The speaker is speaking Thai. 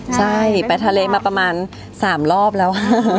ใช่ไปทะเลมาประมาณ๓รอบแล้ว